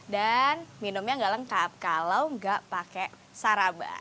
dan minumnya enggak lengkap kalau enggak pakai saraba